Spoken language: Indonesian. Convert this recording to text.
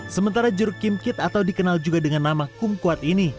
sementara jeruk kimkit atau dikenal juga dengan nama kumkuat ini